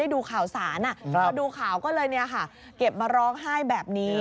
ดูข่าวสารพอดูข่าวก็เลยเก็บมาร้องไห้แบบนี้